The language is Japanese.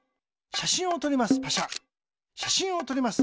しゃしんをとります。